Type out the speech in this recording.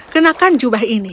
kenakan jubah ini